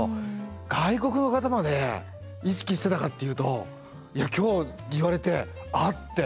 外国の方まで意識してたかっていうといや今日言われて「あっ！」って。